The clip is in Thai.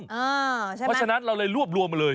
เพราะฉะนั้นเราเลยรวบรวมมาเลย